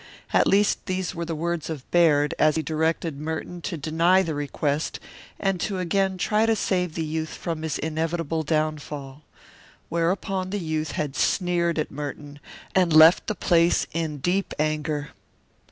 At least these were the words of Baird, as he directed Merton to deny the request and to again try to save the youth from his inevitable downfall. Whereupon the youth had sneered at Merton and left the place in deep anger.